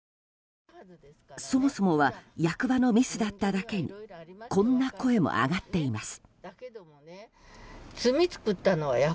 そもそもは役場のミスだっただけにこんな声も上がっています。